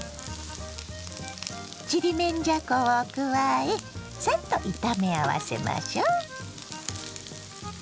ちりめんじゃこを加えさっと炒め合わせましょ。